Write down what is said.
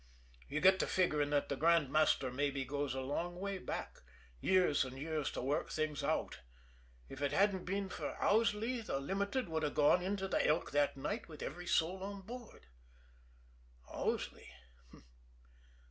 You get to figuring that the Grand Master mabbe goes a long way back, years and years, to work things out if it hadn't been for Owsley the Limited would have gone into the Elk that night with every soul on board. Owsley?